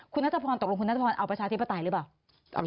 คุณนัทพรตกลงคุณนัทพรเอาประชาธิปไตยหรือเปล่า